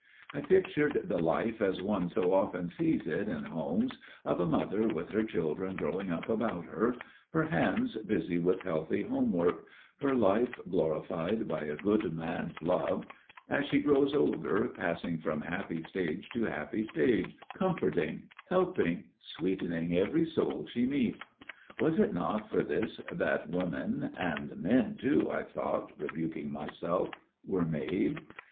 I pictured the life, as one so often sees it in homes, of a mother with her children growing up about her, her hands busy with healthy home work, her life glorified by a good man's love; as she grows older, passing from happy stage to happy stage, comforting, helping, sweetening every soul she meets. Was it not for this that women––and men too, I thought, rebuking myself––were made?